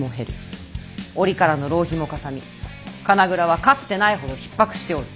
折からの浪費もかさみ金蔵はかつてないほどひっ迫しておる。